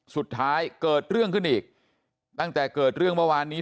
สุดท้ายเกิดเรื่องขึ้นอีกตั้งแต่เกิดเรื่องเมื่อวานนี้